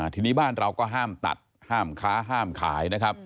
ทีนี้บ้านเราก็ห้ามตัดห้ามค้าห้ามขายนะครับ